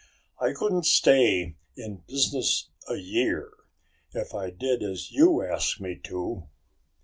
"I couldn't stay in business a year if I did as you asked me to."